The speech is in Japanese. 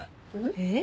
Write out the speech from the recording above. えっ？